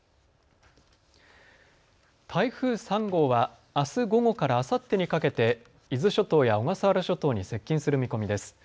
台風３号はあす午後からあさってにかけて伊豆諸島や小笠原諸島に接近する見込みです。